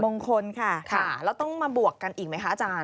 มงคลค่ะแล้วต้องมาบวกกันอีกไหมคะอาจารย